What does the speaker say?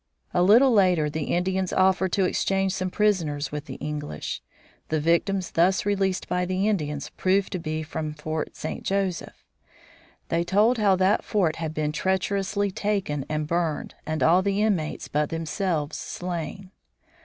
A little later the Indians offered to exchange some prisoners with the English. The victims thus released by the Indians proved to be from Fort St. Joseph. They told how that fort had been treacherously taken and burned, and all the inmates but themselves slain.